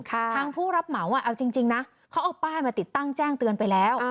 ทางผู้รับเหมาเอาจริงนะเขาเอาป้ายมาติดตั้งแจ้งเตือนไปแล้ว